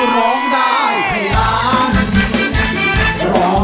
ร้องได้ให้ล้าน